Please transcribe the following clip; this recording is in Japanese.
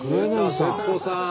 徹子さん！